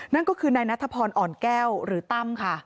นั่นก็คือนายนัทพรอ่อนแก้วหรือตั้มค่ะ